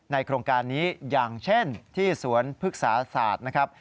โครงการนี้อย่างเช่นที่สวนพฤกษาศาสตร์นะครับ